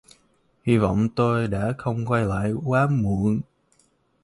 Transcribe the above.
Hi vọng tôi đã không quay lại quá muộn